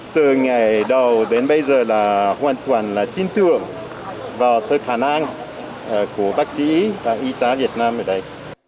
từ ngày đầu đến bây giờ là hoàn toàn tin tưởng vào cái khả năng của bác sĩ và y tá việt nam ở đây